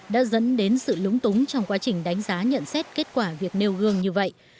đã dẫn đến sự lúng túng trong quá trình đánh giá nhận xét kết quả việc nêu gương như vậy